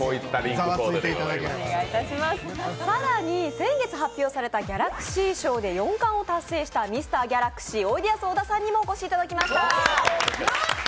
更に先月発表されたギャラクシー賞で４冠を達成したミスター・ギャラクシー、おいでやす小田さんにもお越しいただきました。